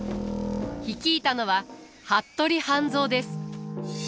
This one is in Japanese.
率いたのは服部半蔵です。